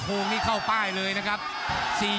ภูตวรรณสิทธิ์บุญมีน้ำเงิน